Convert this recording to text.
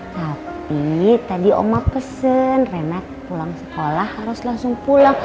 tapi tadi oma pesen renat pulang sekolah harus langsung pulang